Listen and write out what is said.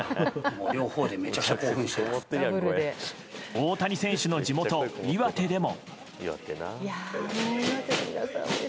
大谷選手の地元岩手でも。